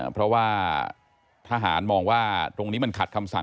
เพราะว่าทหารมองว่าตรงนี้มันขัดคำสั่ง